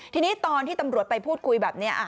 ทีนี้ตอนที่ตำรวจไปพูดคุยแบบนี้